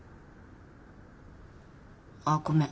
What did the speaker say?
あっごめん。